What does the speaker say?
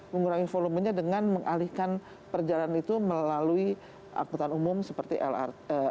mengurangi volumenya dengan mengalihkan perjalanan itu melalui angkutan umum seperti lrt